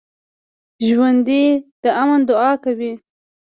ژوندي د امن دعا کوي